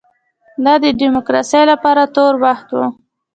دا د ډیموکراسۍ لپاره تور وخت و.